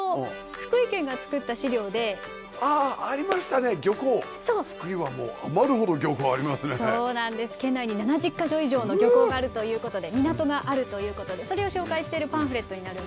福井はもうそうなんです県内に７０か所以上の漁港があるということで港があるということでそれを紹介しているパンフレットになるんですけれども。